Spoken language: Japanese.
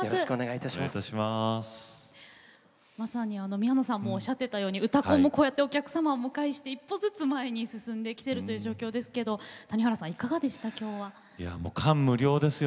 宮野さんもおっしゃっていたように「うたコン」もこうやってお客様をお迎えして一歩ずつ進んでいる状態ですが谷原さん、どうですか。